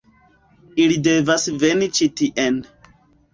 Ili devas veni ĉi tien.